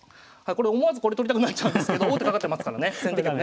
思わずこれ取りたくなっちゃうんですけど王手かかってますからね先手がね。